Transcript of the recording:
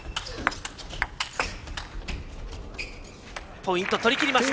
ポイント、取りきりました。